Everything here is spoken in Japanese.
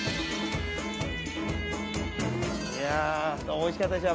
おいしかったでしょ